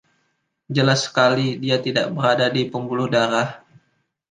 Jelas sekali, dia tidak berada di pembuluh darah.